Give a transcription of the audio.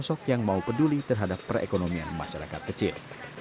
sosok yang mau peduli terhadap perekonomian masyarakat kecil